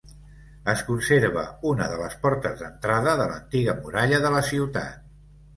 Es conserva una de les portes d'entrada de l'antiga muralla de la ciutat.